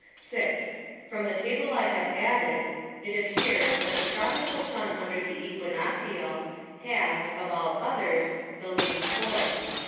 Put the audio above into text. VI. From the Table I have added, it appears, that the Tropical Sun under the Æquinoctial, has, of all others, the least Force.